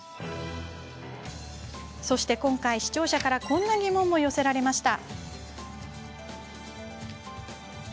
そして今回、視聴者からこんな疑問も寄せられました。